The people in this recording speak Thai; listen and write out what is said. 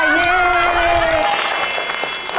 เย่